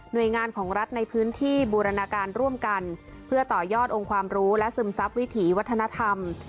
โดยงานของรัฐในพื้นที่บูรณาการร่วมกันเพื่อต่อยอดองค์ความรู้และซึมซับวิถีวัฒนธรรม